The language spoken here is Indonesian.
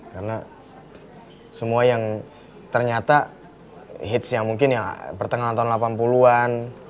karena semua yang ternyata hitsnya mungkin ya pertengahan tahun delapan puluh an